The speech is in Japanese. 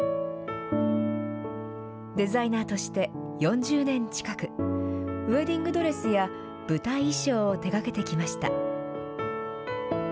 デザイナーとして４０年近く、ウエディングドレスや舞台衣装を手がけてきました。